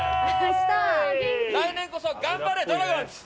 来年こそ、頑張れドラゴンズ！